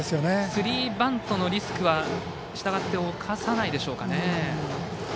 スリーバントのリスクはおかさないでしょうかね。